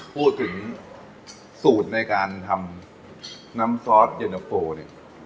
พูดถึงสูตรในการทำน้ำซอสเย็นตะโฟเนี่ย